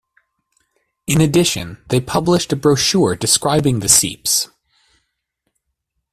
In addition, they published a brochure describing the seeps.